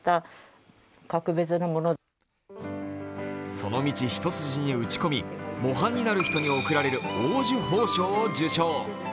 その道一筋に打ち込み、模範になる人に贈られる黄綬褒章を受章。